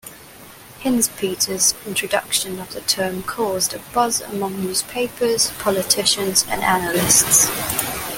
Hinzpeter's introduction of the term caused a buzz among newspapers, politicians and analysts.